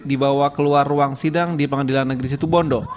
dibawa keluar ruang sidang di pengadilan negeri situbondo